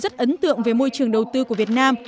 rất ấn tượng về môi trường đầu tư của việt nam